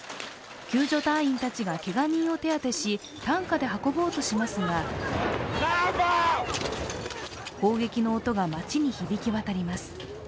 救助隊員たちがけが人を手当てし担架で運ぼうとしますが砲撃の音が街に響き渡ります。